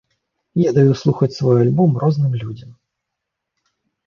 Я даю слухаць свой альбом розным людзям.